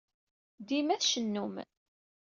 Dima tcennum.